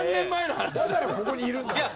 だからここにいるんだろ。